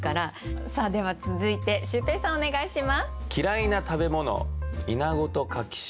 さあでは続いてシュウペイさんお願いします。